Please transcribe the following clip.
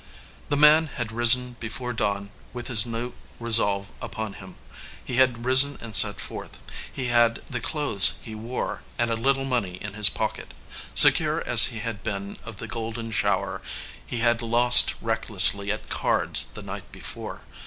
The man had risen before dawn with his new resolve upon him. He had risen and set forth. 285 EDGEWATER PEOPLE He had the clothes he wore, and a little money in his pocket. Secure as he had been of the golden shower, he had lost recklessly at cards the night before.